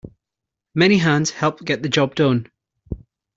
Many hands help get the job done.